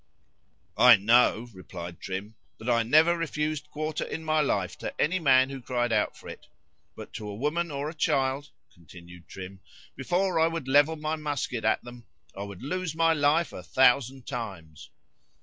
—I know, replied Trim, that I never refused quarter in my life to any man who cried out for it;——but to a woman or a child, continued Trim, before I would level my musket at them, I would lose my life a thousand times.